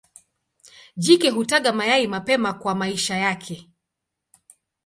Jike hutaga mayai mapema kwa maisha yake.